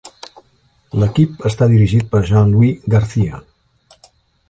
L'equip està dirigit per Jean-Louis García.